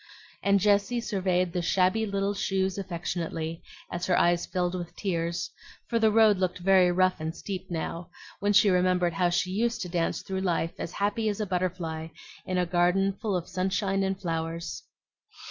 and Jessie surveyed the shabby little shoes affectionately, as her eyes filled with tears; for the road looked very rough and steep now, when she remembered how she used to dance through life as happy as a butterfly in a garden full of sunshine and flowers.